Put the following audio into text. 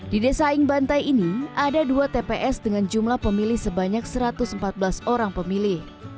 di desa aing bantai ini ada dua tps dengan jumlah pemilih sebanyak satu ratus empat belas orang pemilih